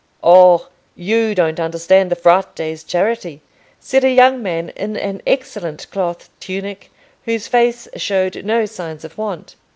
"Oh, you don't understand the Frate's charity," said a young man in an excellent cloth tunic, whose face showed no signs of want.